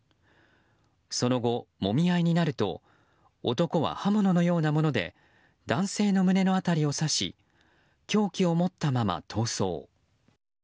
その後、もみ合いになると男は刃物のようなもので男性の胸の辺りを刺し凶器を持ったまま逃走。